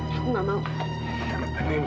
aku gak mau